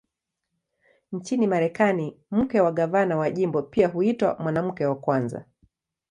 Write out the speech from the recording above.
Nchini Marekani, mke wa gavana wa jimbo pia huitwa "Mwanamke wa Kwanza".